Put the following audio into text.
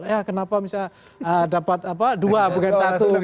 ya kenapa misal dapat dua bukan satu